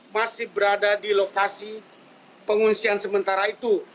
masih berada di lokasi pengungsian sementara itu